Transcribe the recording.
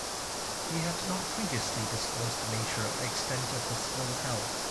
He had not previously disclosed the nature or extent of his ill health.